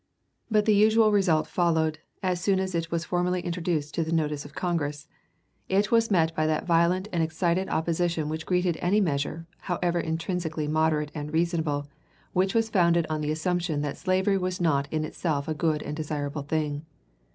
But the usual result followed as soon as it was formally introduced to the notice of Congress, It was met by that violent and excited opposition which greeted any measure, however intrinsically moderate and reasonable, which was founded on the assumption that slavery was not in itself a good and desirable thing.